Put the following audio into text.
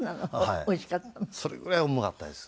それぐらいうまかったです。